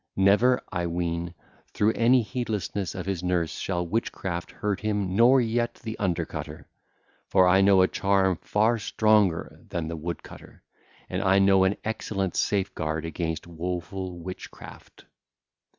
Never, I ween, through any heedlessness of his nurse shall witchcraft hurt him nor yet the Undercutter 2508: for I know a charm far stronger than the Woodcutter, and I know an excellent safeguard against woeful witchcraft.